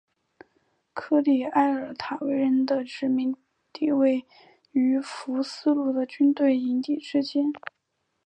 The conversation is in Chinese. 科利埃尔塔维人的殖民地位于福斯路的军队营地之间。